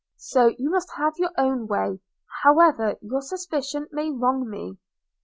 so you must have your own way, however your suspicions may wrong me.'